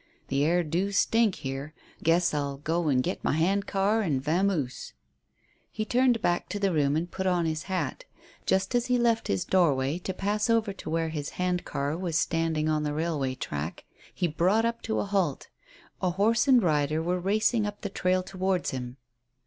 The air do stink here; guess I'll go and git my hand car and vamoose." He turned back to the room and put on his hat. Just as he left his doorway to pass over to where his hand car was standing on the railway track, he brought up to a halt A horse and rider were racing up the trail towards him.